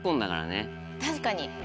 確かに。